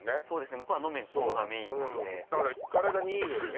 向こうは飲むのがメインなんで体にいいのよね